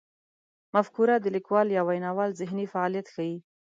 مفکوره د لیکوال یا ویناوال ذهني فعالیت ښيي.